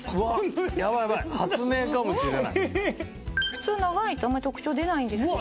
普通長いとあんまり特徴出ないんですけど。